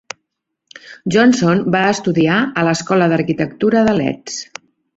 Johnson va estudiar a l'Escola d'Arquitectura de Leeds.